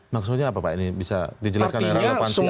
maksudnya apa pak ini bisa dijelaskan oleh rakyat pansi atau kuntar pertama